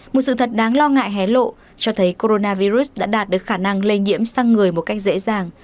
một sự thật đáng lo ngại hé lộ cho thấy coronavirus đã đạt được khả năng lây nhiễm sang người một cách dễ dàng